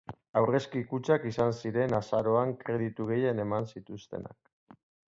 Aurrezki-kutxak izan ziren azaroan kreditu gehien eman zituztenak.